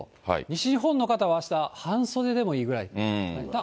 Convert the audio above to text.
西日本の方はあした、半袖でもいいぐらい。